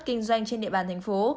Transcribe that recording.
kinh doanh trên địa bàn thành phố